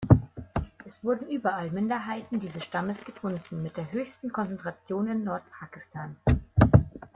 Es wurden überall Minderheiten dieses Stammes gefunden, mit der höchsten Konzentration in Nordpakistan.